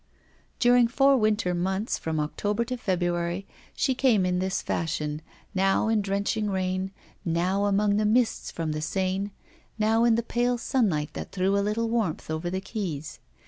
During four winter months, from October to February, she came in this fashion, now in drenching rain, now among the mists from the Seine, now in the pale sunlight that threw a little warmth over the quays.